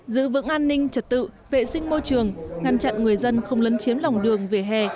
giữ vững an ninh trật tự vệ sinh môi trường ngăn chặn người dân không lấn chiếm lòng đường vỉa hè